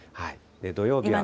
土曜日は。